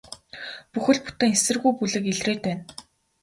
Бүхэл бүтэн эсэргүү бүлэг илрээд байна.